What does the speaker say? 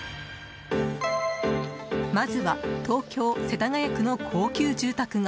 まずは東京・世田谷区の高級住宅街。